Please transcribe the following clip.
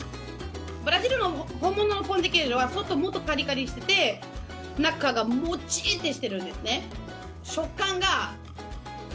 ブラジルの本物のポン・デ・ケージョは外もっとカリカリしてて中がモチッてしてるんですね。